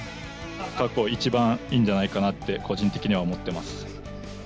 過去一番いいんじゃないかなって、個人的には思ってます。